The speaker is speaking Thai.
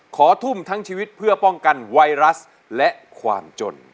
ขอทุ่มทั้งชีวิตเพื่อป้องกันไวรัสและความจน